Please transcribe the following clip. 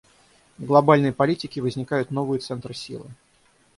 В глобальной политике возникают новые центры силы.